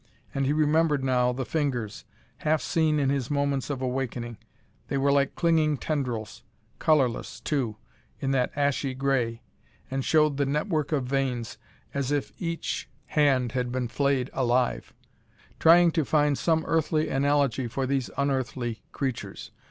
And he remembered, now, the fingers, half seen in his moments of awakening they were like clinging tendrils, colorless, too, in that ashy gray, and showed the network of veins as if each hand had been flayed alive. The observer found himself analyzing, comparing, trying to find some earthly analogy for these unearthly creatures.